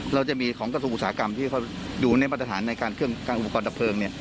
เราจะมีของกระทรวงอุตสาหกรรมที่เขาอยู่ในมาตรฐานในการเครื่องการอุปกรณ์ดับเพลิง